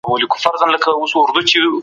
زموږ ټولنه باید پرمختګ وکړي.